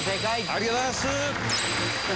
ありがとうございます。